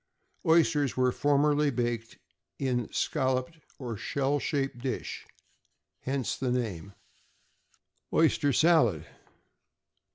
Oysters were formerly baked in a scalloped or shell shaped dish, hence the name. =Oyster Salad.